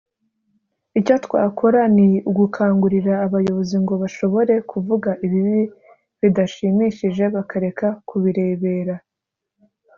icyo twakora ni ugukangurira abayobozi ngo bashobore kuvuga ibibi bidashimishije bakareka kubirebera